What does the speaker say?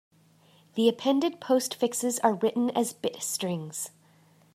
The appended postfixes are written as bit strings.